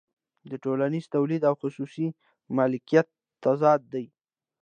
دا د ټولنیز تولید او خصوصي مالکیت تضاد دی